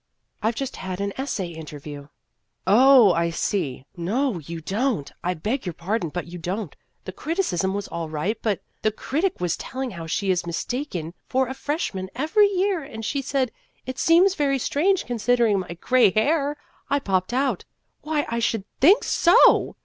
" I 've just had an essay interview." " Oh, I see !"" No, you don't. I beg your pardon, but you don't. The criticism was all right, but The critic was telling how she is mistaken for a freshman every year, and she said, ' It seems very strange, con sidering my gray hair.' I popped out, * Why, I should think so